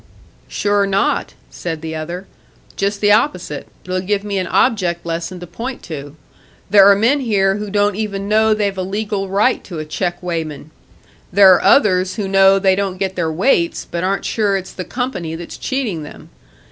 "Sure not!" said the other. "Just the opposite it'll give me an object lesson to point to. There are men here who don't even know they've a legal right to a check weighman. There are others who know they don't get their weights, but aren't sure its the company that's cheating them.